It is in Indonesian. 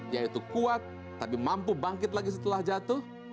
yaitu kuat tapi mampu bangkit lagi setelah jatuh